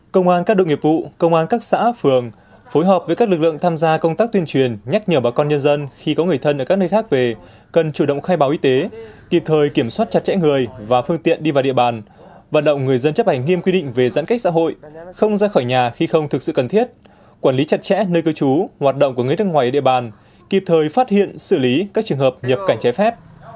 công an các đội nghiệp vụ công an các xã phường phối hợp với các lực lượng tham gia công tác tuyên truyền nhắc nhở bà con nhân dân khi có người thân ở các nơi khác về cần chủ động khai báo y tế kịp thời kiểm soát chặt chẽ người và phương tiện đi vào địa bàn vận động người dân chấp hành nghiêm quy định về giãn cách xã hội không ra khỏi nhà khi không thực sự cần thiết quản lý chặt chẽ nơi cư trú hoạt động của người thân ngoài địa bàn kịp thời phát hiện xử lý các trường hợp nhập cảnh trái phép